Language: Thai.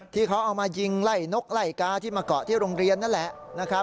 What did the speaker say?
ที่เขาเอามายิงไล่นกไล่กาที่มาเกาะที่โรงเรียนนั่นแหละนะครับ